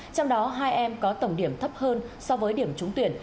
trong đó hai em có tổng điểm thấp hơn so với điểm trúng tuyển